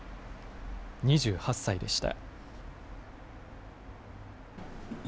２８歳でした。